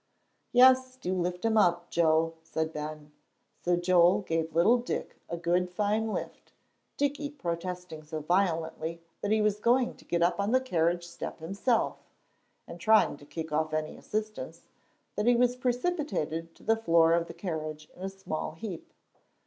"Yes, do lift him up, Joe," said Ben. So Joel gave little Dick a good fine lift, Dickie protesting so violently that he was going to get up on the carriage step himself, and trying to kick off any assistance, that he was precipitated to the floor of the carriage in a small heap.